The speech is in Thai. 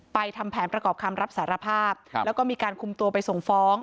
ทำแผนประกอบคำรับสารภาพแล้วก็มีการคุมตัวไปส่งฟ้อง